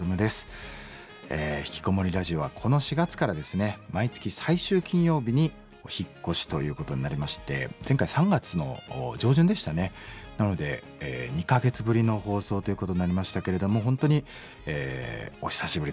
「ひきこもりラジオ」はこの４月からですね毎月最終金曜日にお引っ越しということになりまして前回３月の上旬でしたねなので２か月ぶりの放送ということになりましたけれども本当にお久しぶりです。